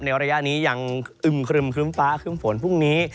ระยะนี้ยังอึมครึมครึ้มฟ้าครึ่มฝนพรุ่งนี้